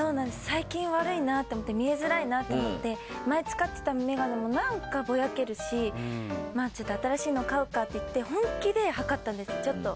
最近悪いな見えづらいなって思って前使ってた眼鏡も何かぼやけるしちょっと新しいの買うかって本気で測ったんです。